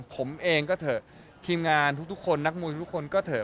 ผมเองก็เถอะทีมงานทุกคนนักมวยทุกคนก็เถอะ